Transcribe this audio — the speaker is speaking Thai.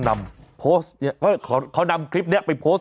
มาเกราะมาเกินกันที่ป้อม